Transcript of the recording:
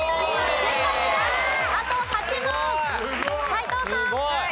斎藤さん。